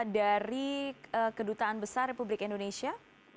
dari kedutaan besar republik indonesia